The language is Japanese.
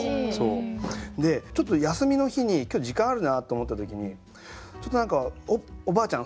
でちょっと休みの日に今日時間あるなって思った時にちょっと何かおばあちゃん